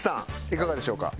いかがでしょうか？